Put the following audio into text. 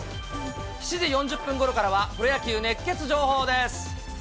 ７時４０分ごろからは、プロ野球熱ケツ情報です。